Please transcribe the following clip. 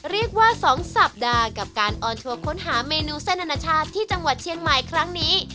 เรียกว่า๒สัปดาห์กับการออนทัวร์ค้นหาเมนูเส้นอนาชาติที่จังหวัดเชียงใหม่ครั้งนี้